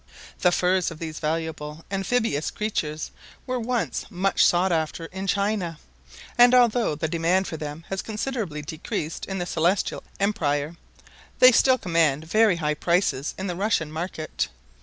The furs of these valuable amphibious creatures were once much sought after in China; and although the demand for them has considerably decreased in the Celestial Empire, they still command very high prices in the Russian market.